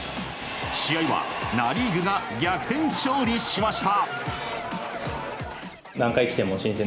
試合はナ・リーグが逆転勝利しました。